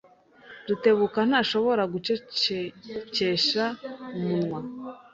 Rutebuka ntashobora gucecekesha umunwa.